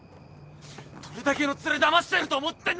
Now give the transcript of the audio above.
どれだけのツレだましてると思ってんだよ！